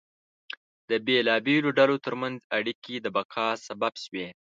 د بېلابېلو ډلو ترمنځ اړیکې د بقا سبب شوې.